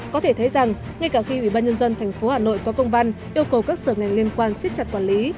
có thể thấy rằng ngay cả khi ủy ban nhân dân tp hà nội có công văn yêu cầu các sở ngành liên quan xích chặt quản lý